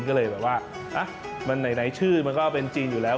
ก็เลยแบบว่ามันไหนชื่อมันก็เป็นจริงอยู่แล้ว